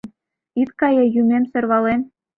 Ит кае, юмем, сӧрвалем!